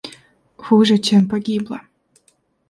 Хуже чем погибла.